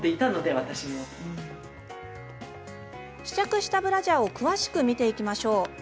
試着したブラジャーを詳しく見ていきましょう。